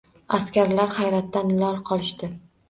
Askarlar hayratdan lol qolishdi